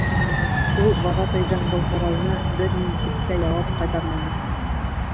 Ул вожатыйҙың был һорауына бер ни тип тә яуап ҡайтарманы.